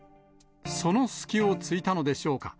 その隙をついたのでしょうか。